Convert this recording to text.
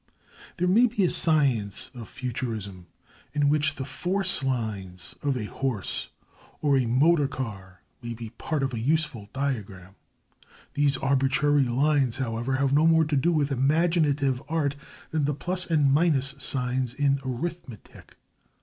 There may be a science of Futurism in which the "force lines" of a horse or a motor car may be part of a useful diagram. These arbitrary lines, however, have no more to do with imaginative art than the plus and minus signs in arithmetic.